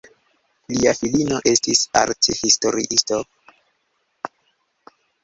Lia filino estis arthistoriisto.